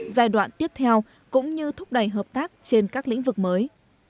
giai đoạn tiếp theo cũng như thúc đẩy hợp tác trên các lĩnh vực mới